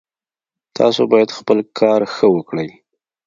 تاسو باید خپل کار ښه وکړئ